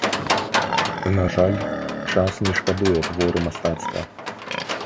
На жаль, час не шкадуе творы мастацтва.